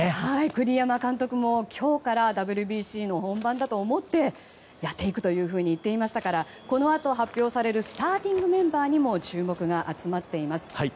栗山監督も今日からＷＢＣの本番だと思ってやっていくと言っていましたからこのあと発表されるスターティングメンバーにも注目が集まっています。